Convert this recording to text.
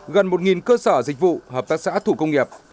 gần một cơ sở dịch vụ hợp tác xã thủ công nghiệp